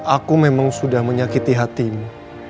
aku memang sudah menyakiti hatimu